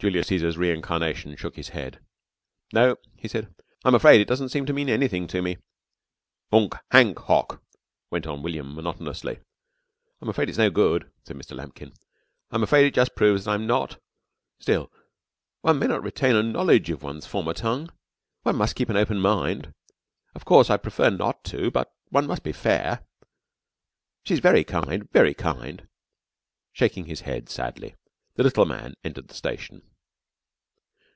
Julius Cæsar's reincarnation shook his head. "No," he said, "I'm afraid it doesn't seem to mean anything to me." "Hunc, hanc, hoc," went on William monotonously. "I'm afraid it's no good," said Mr. Lambkin. "I'm afraid it proves that I'm not still one may not retain a knowledge of one's former tongue. One must keep an open mind. Of course, I'd prefer not to but one must be fair. And she's kind, very kind." Shaking his head sadly, the little man entered the station.